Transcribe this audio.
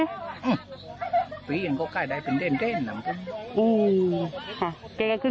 อ๋อแล้วก็ทีนี้พออีกคนนึงลงกลับมาตามน่ะ